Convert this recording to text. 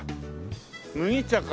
麦茶か。